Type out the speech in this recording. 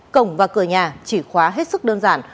cổng và cửa nhà chỉ khóa hết sức đơn giản